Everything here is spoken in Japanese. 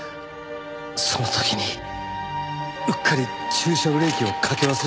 その時にうっかり駐車ブレーキをかけ忘れて。